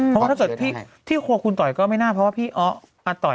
แต่ถ้าเจอที่ควรคุณต่อยก็ไม่น่าเพราะว่าพี่อ๊อกอะต่อย